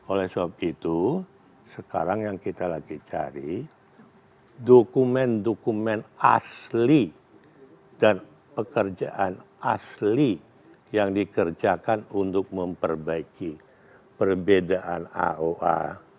oleh sebab itu sekarang yang kita lagi cari dokumen dokumen asli dan pekerjaan asli yang dikerjakan untuk memperbaiki perbedaan aoa